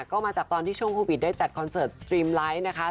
ก็มาจากตอนที่ช่วงโควิดได้จัดคอนเสิร์ตสตรีมไลท์นะคะ